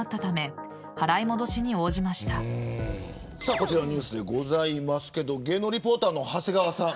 こちらのニュースですけど芸能リポーターの長谷川さん。